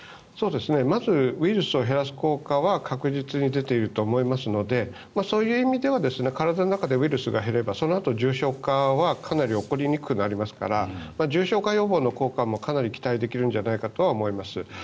まずウイルスを減らす効果は確実に出ていると思いますのでそういう意味では体の中でウイルスが減ればそのあと重症化はかなり起こりにくくなりますから重症化予防の効果もかなり期待できるんじゃないかと思います。